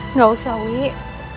nggak usah wik